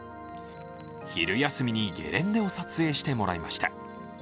昼休みにゲレンデを撮影してもらいました。